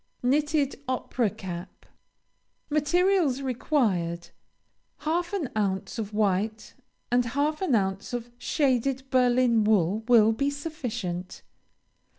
KNITTED OPERA CAP. MATERIALS REQUIRED Half an ounce of white and half an ounce of shaded Berlin wool will be sufficient.